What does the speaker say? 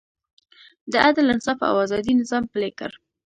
د عدل، انصاف او ازادۍ نظام پلی کړ.